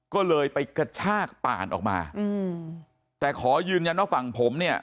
ก็เลยไปกระชากป่านออกมาอืมแต่ขอยืนยันว่าฝั่งผมเนี่ย